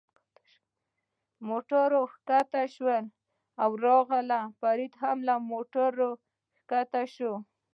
موټرو را کښته شول او راغلل، فرید هم له موټره را کښته شو.